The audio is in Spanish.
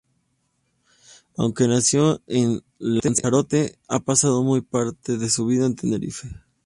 Aunque nació en Lanzarote, ha pasado la mayor parte de su vida en Tenerife.